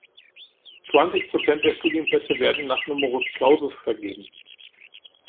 Zwanzig Prozent der Studienplätze werden nach Numerus Clausus vergeben.